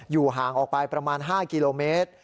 ห่างออกไปประมาณ๕กิโลเมตร